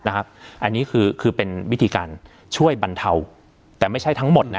อันนี้คือเป็นวิธีการช่วยบรรเทาแต่ไม่ใช่ทั้งหมดนะ